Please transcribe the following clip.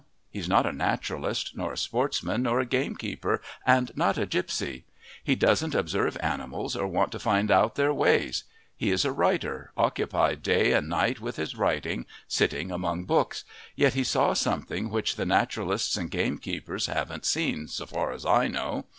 He's not a naturalist, nor a sportsman, nor a gamekeeper, and not a gipsy; he doesn't observe animals or want to find out their ways; he is a writer, occupied day and night with his writing, sitting among books, yet he saw something which the naturalists and gamekeepers haven't seen, so far as I know.